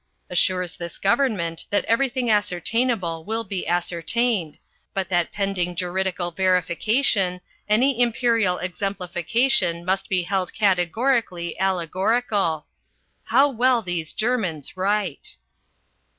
Assures this government that everything ascertainable will be ascertained, but that pending juridical verification any imperial exemplification must be held categorically allegorical. How well these Germans write!